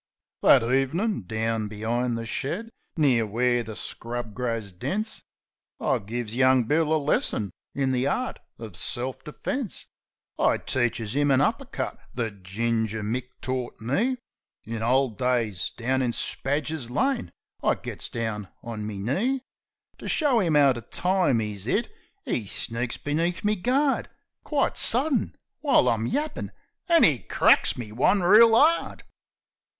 That ev'nin', down be'ind the shed, near where the scrub grows dense, I gives young Bill a lesson in the art uv self defence. I teaches 'im an uppercut that Ginger Mick tort me In ole days, down in Spadger's Lane. I gits down on me knee M Vi'Iits To show 'im 'ow to time 'is 'it 'E sneaks beneath me guard Quite sudden, while I'm yappin', an' 'e cracks me one reel 'ard.